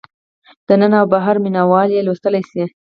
دننه او بهر مینه وال یې لوستلی شي.